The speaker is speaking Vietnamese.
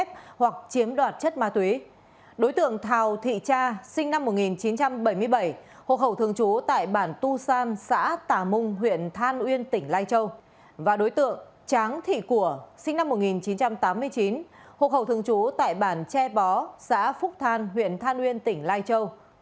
và đối tượng tráng thị của sinh năm một nghìn chín trăm tám mươi chín hộ khẩu thường trú tại bản tre bó xã phúc than huyện than uyên tỉnh lai châu